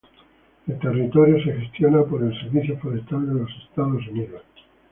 El territorio es gestionado por el Servicio Forestal de los Estados Unidos.